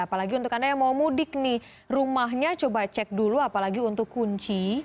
apalagi untuk anda yang mau mudik nih rumahnya coba cek dulu apalagi untuk kunci